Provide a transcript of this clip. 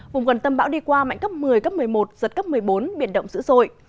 vùng gần tâm bão đi qua mạnh cấp một mươi cấp một mươi một giật cấp một mươi bốn biển động dữ dội